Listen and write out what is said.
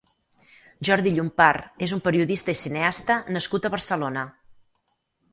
Jordi Llompart és un periodista i cineasta nascut a Barcelona.